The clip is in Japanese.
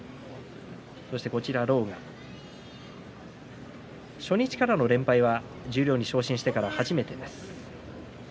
狼雅は初日からの連敗は十両に昇進して初めてです。